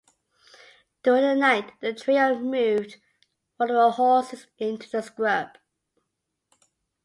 During the night the trio moved one of their horses into the scrub.